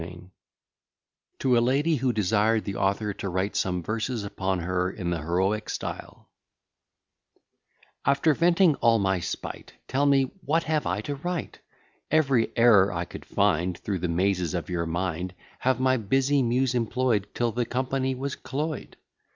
B._] TO A LADY WHO DESIRED THE AUTHOR TO WRITE SOME VERSES UPON HER IN THE HEROIC STYLE After venting all my spite, Tell me, what have I to write? Every error I could find Through the mazes of your mind, Have my busy Muse employ'd, Till the company was cloy'd.